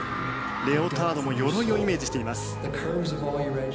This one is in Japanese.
レオタードも鎧をイメージしています。